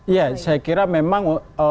ya saya kira memang